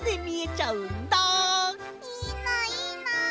いいないいな。